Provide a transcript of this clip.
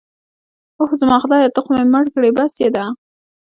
اوه، زما خدایه ته خو مې مړ کړې. بس يې ده.